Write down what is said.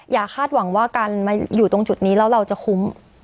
อย่าคาดหวังว่าการมาอยู่ตรงจุดนี้แล้วเราจะคุ้ม